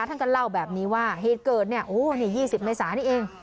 ท่านก็เล่าแบบนี้ว่าเหตุเกิดเนี่ยโอ้นี่๒๐เมษานี่เอง